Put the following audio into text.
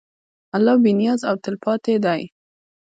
الله بېنیاز او تلپاتې دی.